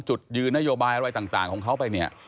จุดยืนนโยบายอะไรต่างของเขาไปเนี่ย